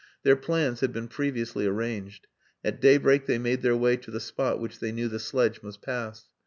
Their plans had been previously arranged. At daybreak they made their way to the spot which they knew the sledge must pass.